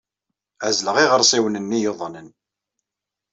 Ɛezleɣ iɣersiwen-nni yuḍnen.